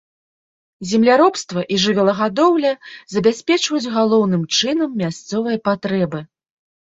Земляробства і жывёлагадоўля забяспечваюць галоўным чынам мясцовыя патрэбы.